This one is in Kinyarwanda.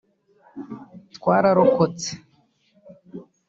twararokotse